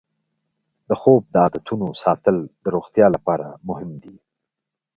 د خوب د عادتونو ساتل د روغتیا لپاره مهم دی.